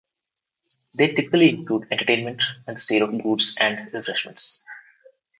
They typically include entertainment and the sale of goods and refreshments.